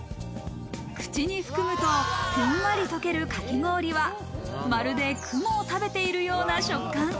口に含むとふんわり溶けるかき氷は、まるで雲を食べているような食感。